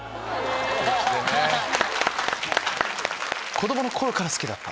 子供の頃から好きだった？